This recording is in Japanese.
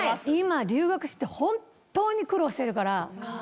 今、留学して本当に苦労してるから。